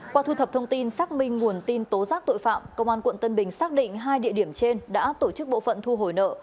qua thu thập thông tin xác minh nguồn tin tố giác tội phạm công an quận tân bình xác định hai địa điểm trên đã tổ chức bộ phận thu hồi nợ